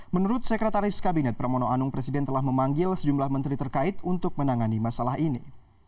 menurut sekretaris kabinet pramono anung presiden telah memanggil sejumlah menteri terkait untuk menangani masalah ini